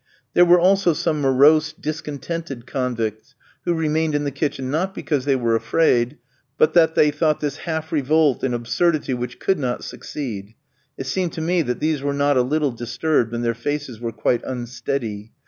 There were also some morose, discontented convicts, who remained in the kitchen, not because they were afraid, but that they thought this half revolt an absurdity which could not succeed; it seemed to me that these were not a little disturbed, and their faces were quite unsteady.